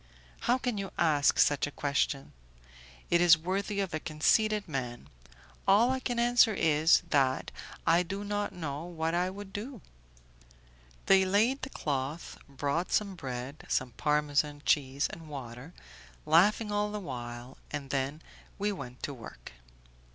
"How can you ask such a question? It is worthy of a conceited man. All I can answer is, that I do not know what I would do." They laid the cloth, brought some bread, some Parmesan cheese and water, laughing all the while, and then we went to work.